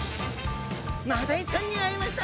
マダイちゃんに会えました！